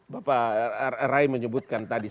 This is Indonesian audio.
bapak rai menyebutkan tadi